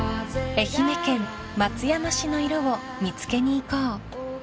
［愛媛県松山市の色を見つけに行こう］